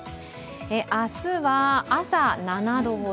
明日は朝７度ほど。